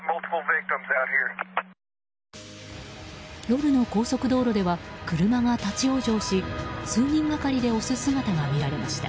夜の高速道路では車が立ち往生し数人がかりで押す姿が見られました。